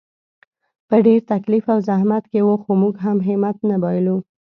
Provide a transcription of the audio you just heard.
په ډېر تکلیف او زحمت کې وو، خو موږ هم همت نه بایللو.